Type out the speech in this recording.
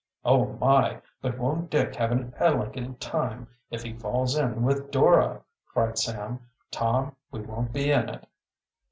"Oh, my, but won't Dick have an elegant time, if he falls in with Dora!" cried Sam. "Tom, we won't be in it."